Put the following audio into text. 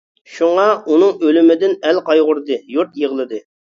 شۇڭا، ئۇنىڭ ئۆلۈمىدىن ئەل قايغۇردى، يۇرت يىغلىدى.